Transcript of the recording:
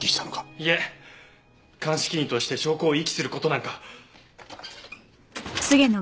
いえ鑑識員として証拠を遺棄する事なんか。